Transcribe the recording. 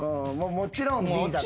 もちろん。